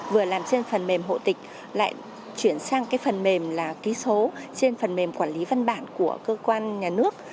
vừa làm trên phần mềm hộ tịch lại chuyển sang cái phần mềm là ký số trên phần mềm quản lý văn bản của cơ quan nhà nước